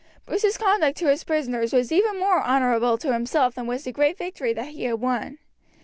Bruce's conduct to his prisoners was even more honourable to himself than was the great victory that he had won.